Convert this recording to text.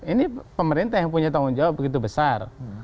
ini pemerintah yang punya tanggung jawab begitu besar